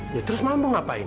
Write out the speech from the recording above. ya terus mama mau ngapain